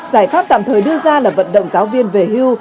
giải pháp tạm thời đưa ra là vận động giáo viên về hưu